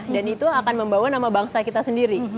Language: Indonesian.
dan itu akan membawa nama bangsa kita sendiri